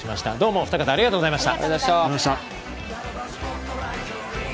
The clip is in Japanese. お二方ありがとうございました。